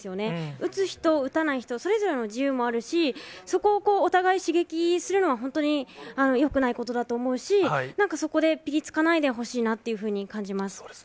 打つ人、打たない人、それぞれの自由もあるし、そこをお互い刺激するのは、本当によくないことだと思うし、なんかそこでぴりつかないでほしいなっていうふうに感じます。